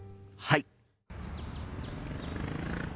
はい！